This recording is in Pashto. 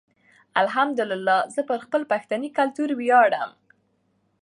الحمدالله زه پر خپل پښنې کلتور ویاړم.